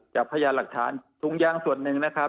พยานหลักฐานถุงยางส่วนหนึ่งนะครับ